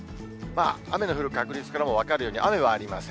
雨の降る確率からも分かるように、雨はありません。